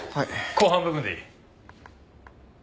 後半部分でいい。